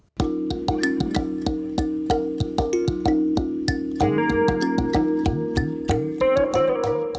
makanan yang diperoleh di tiongkok adalah makanan tradisional tomohon sulawesi utara